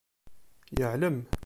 Yeεlem.